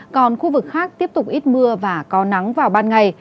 còn khu vực khác tiếp tục ít mưa và có nắng vào ban ngày